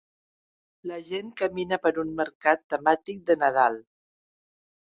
La gent camina per un mercat temàtic de Nadal